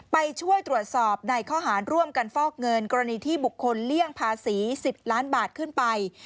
ไปช่วยตรวจสอบในข้อหารร่วมกันฟอกเงินกรณีที่บุคคลเลี่ยงภาษี๑๐ล้านบาทขึ้นไป